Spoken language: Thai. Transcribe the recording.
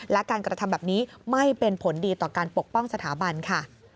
และการกระทำแบบนี้ไม่เป็นผลดีต่อการปกป้องสถาบันค่ะ